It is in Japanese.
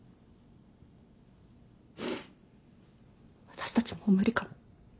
私たちもう無理かも。